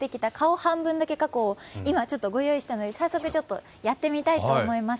半分加工を今、ご用意したので早速やってみたいと思います。